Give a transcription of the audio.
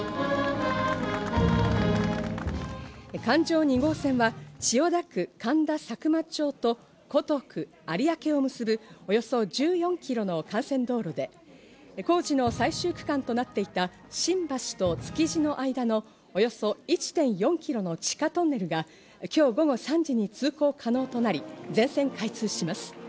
環状２号線は千代田区神田佐久間町と江東区有明を結ぶ、およそ１４キロの幹線道路で、工事の最終区間となっていた新橋と築地の間のおよそ１．４キロの地下トンネルが、今日午後３時に通行可能となり、全線開通します。